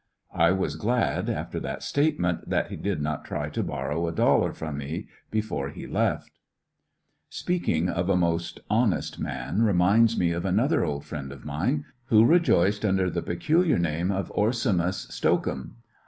'* I was glad, after that sta^tement, that he did not try to borrow a dollar from me before he left. necrtii'dsm Speaking of a most honest man reminds me of OKS^mus of another old friend of mine, who rejoiced under the peculiar name of Orsamus Stocum.